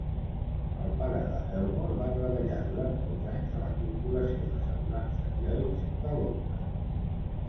El pare d'Helmore va treballar durant molts anys a la corporació d'assegurances Lloyd's de Londres.